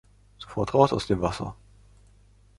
Sofort raus aus dem Wasser!